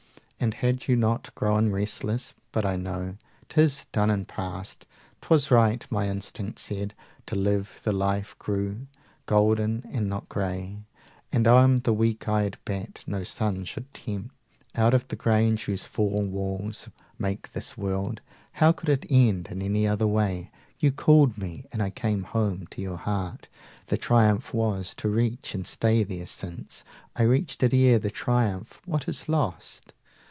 165 And load you not grown restless ... but I know 'Tis done and past; 'twas right, my instinct said; Too live the life grew, golden and not gray, And I'm the weak eyed bat no sun should tempt Out of the grange whose four walls make his world. 170 How could it end in any other way? You called me, and I came home to your heart. The triumph was to reach and stay there; since I reached it ere the triumph, what is lost?